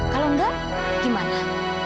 kalau enggak gimana